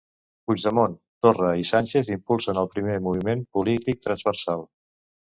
Puigdemont, Torra i Sánchez impulsen el primer moviment polític transversal.